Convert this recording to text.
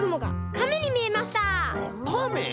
カメ？